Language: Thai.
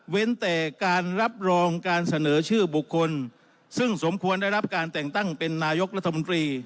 แต่การรับรองการเสนอชื่อบุคคลซึ่งสมควรได้รับการแต่งตั้งเป็นนายกรัฐมนตรี